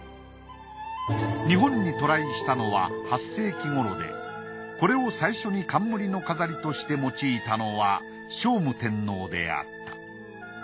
日本に渡来したのは８世紀頃でこれを最初に冠の飾りとして用いたのは聖武天皇であった。